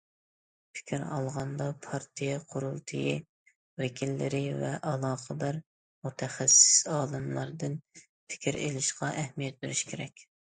پىكىر ئالغاندا، پارتىيە قۇرۇلتىيى ۋەكىللىرى ۋە ئالاقىدار مۇتەخەسسىس، ئالىملاردىن پىكىر ئېلىشقا ئەھمىيەت بېرىش كېرەك.